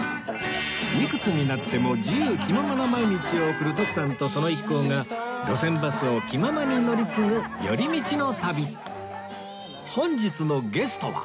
いくつになっても自由気ままな毎日を送る徳さんとその一行が路線バスを気ままに乗り継ぐ寄り道の旅本日のゲストは